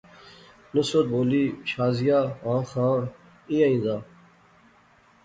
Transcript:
نصرت بولی، شازیہ ہاں خاں ایہھاں ایہہ دا